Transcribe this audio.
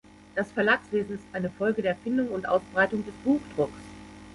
Das Verlagswesen ist eine Folge der Erfindung und Ausbreitung des Buchdrucks.